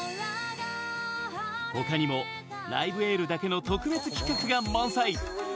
他にも「ライブ・エール」だけの特別企画が満載。